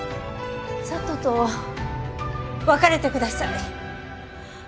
佐都と別れてください。